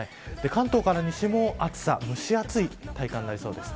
関東から西も蒸し暑い体感になりそうです。